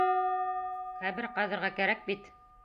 Ҡәбер ҡаҙырға кәрәк бит?